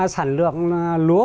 sản lượng lúa